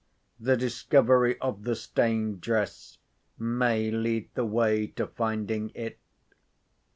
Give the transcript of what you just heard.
The discovery of the stained dress may lead the way to finding it."